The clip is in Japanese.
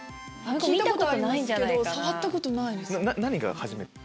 聞いたことありますけど触ったことないです。